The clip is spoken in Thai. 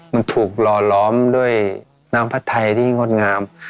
มันถูกหล่อล้อมด้วยน้ำผัดไทยที่งดงาม